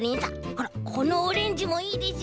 ほらこのオレンジもいいでしょ？